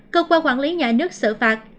cơ quan quản lý nhà nước xử phạt